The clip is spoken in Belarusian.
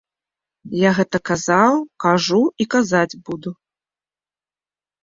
Я гэта казаў, кажу і казаць буду.